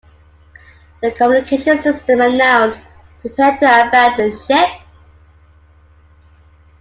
The communications system announced: Prepare to abandon ship.